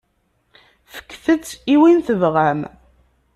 Fket-t i win i tebɣam.